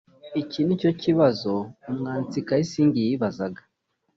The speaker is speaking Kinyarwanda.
Iki nicyo kibazo umwanditsi Kaysing yibazaga